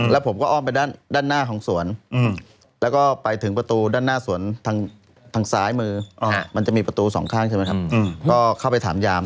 แล้วก็ผมก็อ้อมไปด้านหน้าของสวนไปถึงประตูของด้านหน้าสวนทางซ้ายมือจะมีประตูสองข้าง